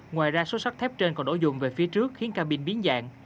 ngoài ra số sắt thép trên còn đổ dùng về phía trước khiến ca binh biến dạng